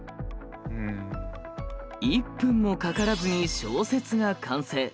１分もかからずに小説が完成。